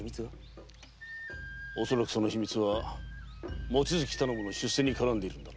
恐らくその秘密は望月頼母の出世にからんでいるのだ。